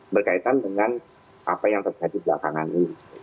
berkaitan dengan apa yang terjadi belakangan ini